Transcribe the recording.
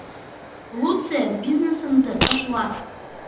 Лутсе бизнесыңды ташла.